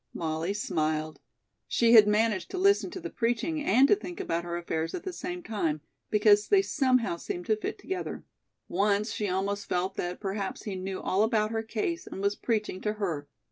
Molly smiled. She had managed to listen to the preaching and to think about her affairs at the same time, because they somehow seemed to fit together. Once she almost felt that perhaps he knew all about her case and was preaching to her.